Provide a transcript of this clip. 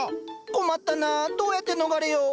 困ったなどうやって逃れよう？